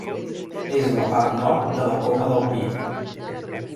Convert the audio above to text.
És la part nord de la Coma del Pi.